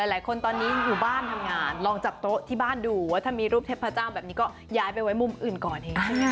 หลายคนตอนนี้อยู่บ้านทำงานลองจับโต๊ะที่บ้านดูว่าถ้ามีรูปเทพเจ้าแบบนี้ก็ย้ายไปไว้มุมอื่นก่อนเอง